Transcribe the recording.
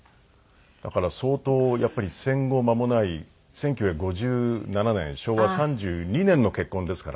だから相当やっぱり戦後まもない１９５７年昭和３２年の結婚ですから。